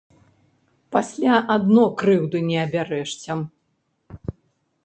Пасля адно крыўды не абярэшся.